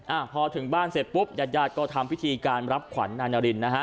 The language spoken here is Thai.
อ่าพอถึงบ้านเสร็จปุ๊บญาติญาติก็ทำพิธีการรับขวัญนายนารินนะฮะ